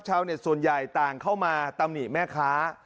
ชาวเน็ตส่วนใหญ่ต่างเข้ามาตำหนิแม่ค้า